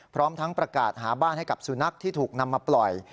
พร้อมทั้งประกาศหาบ้านให้กับสุนัขที่ถูกนำมาปล่อย